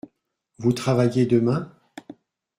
Vous travaillez demain ?